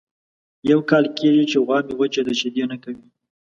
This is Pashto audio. یو کال کېږي چې غوا مې وچه ده شیدې نه کوي.